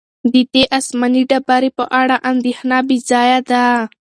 د دې آسماني ډبرې په اړه اندېښنه بې ځایه ده.